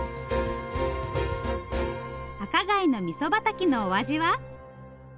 赤貝のみそばたきのお味は？